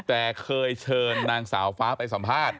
แต่เคยเชิญนางสาวฟ้าไปสัมภาษณ์